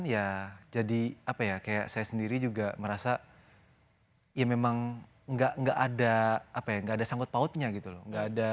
ya jadi apa ya kayak saya sendiri juga merasa ya memang enggak ada sangkut pautnya gitu loh